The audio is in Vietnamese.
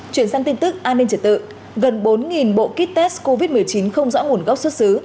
chuyển sang tin tức an ninh trật tự gần bốn bộ kit test covid một mươi chín không rõ nguồn gốc xuất xứ